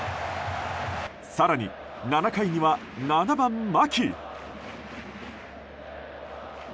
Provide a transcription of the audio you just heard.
更に７回には７番、牧。